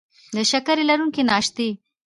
د شکرې لرونکي ناشتې